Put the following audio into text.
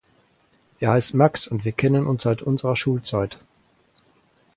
Er heißt Max und wir kennen uns seit unserer Schulzeit.